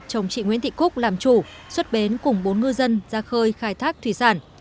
chồng chị nguyễn thị cúc làm chủ xuất bến cùng bốn ngư dân ra khơi khai thác thủy sản